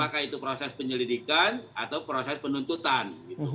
apakah itu proses penyelidikan atau proses penuntutan